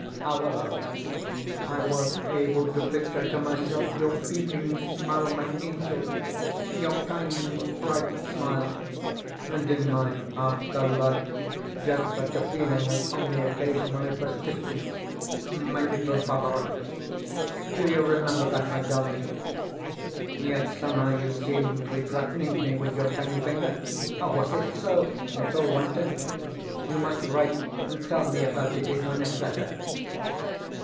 However, I was able to picture to myself your beaming smile, my angel your kind, bright smile; and in my heart there lurked just such a feeling as on the occasion when I first kissed you, my little Barbara. Do you remember that, my darling? Yet somehow you seemed to be threatening me with your tiny finger. Was it so, little wanton? You must write and tell me about it in your next letter.